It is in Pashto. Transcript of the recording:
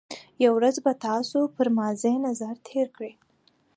یو ورځ به تاسو پر ماضي نظر تېر کړئ.